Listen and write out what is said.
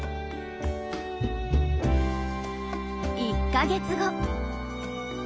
１か月後。